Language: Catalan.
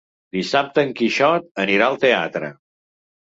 Dissabte en Quixot anirà al teatre.